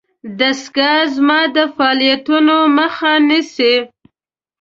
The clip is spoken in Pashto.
دستګاه زما د فعالیتونو مخه نیسي.